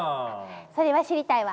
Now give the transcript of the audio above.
それは知りたいわ。